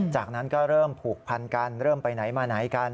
จากนั้นก็เริ่มผูกพันกันเริ่มไปไหนมาไหนกัน